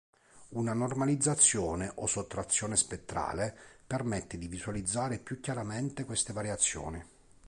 Una normalizzazione o sottrazione spettrale permette di visualizzare più chiaramente queste variazioni.